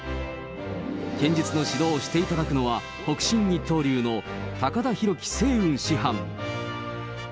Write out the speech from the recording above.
剣術の指導をしていただくのは、北辰一刀流の高田ひろきせいうん師範。